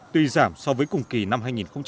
tuy giảm so với cùng kỳ năm hai nghìn một mươi chín